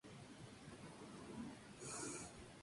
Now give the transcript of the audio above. Las flores son pequeñas, imperfectas.